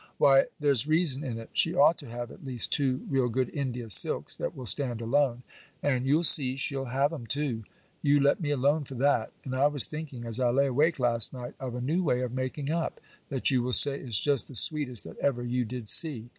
Why, there's reason in it. She ought to have at least two real good India silks that will stand alone,—and you'll see she'll have 'em too; you let me alone for that; and I was thinking, as I lay awake last night, of a new way of making up, that you will say is just the sweetest that ever you did see.